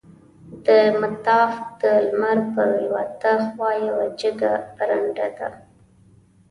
د مطاف د لمر پریواته خوا یوه جګه برنډه ده.